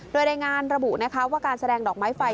โดยรายงานระบุนะคะว่าการแสดงดอกไม้ไฟ